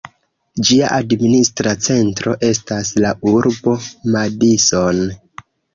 Ĝia administra centro estas la urbo Madison.